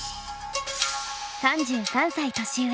３３歳年上。